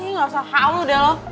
nggak usah hau lu deh lu